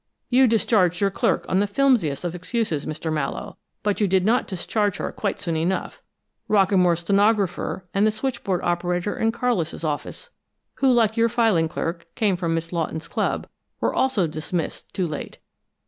You discharged your clerk on the flimsiest of excuses, Mr. Mallowe but you did not discharge her quite soon enough. Rockamore's stenographer, and the switchboard operator in Carlis' office, who, like your filing clerk, came from Miss Lawton's club, were also dismissed too late.